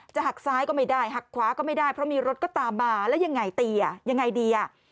หักซ้ายก็ไม่ได้หักขวาก็ไม่ได้เพราะมีรถก็ตามมาแล้วยังไงตีอ่ะยังไงดีอ่ะ